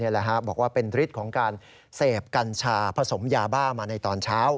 บอกว่าเป็นฤทธิ์ของการเสพกัญชาผสมยาบ้ามาในตอนเช้า